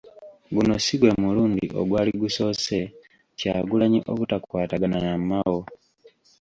Guno si gwe mulundi ogwali gusoose Kyagulanyi obutakwatagana na Mao.